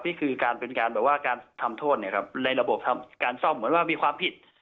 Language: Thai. นี่คือการเป็นการแบบว่าการทำโทษในระบบทำการซ่อมเหมือนว่ามีความผิด